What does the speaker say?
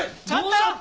ちょっと！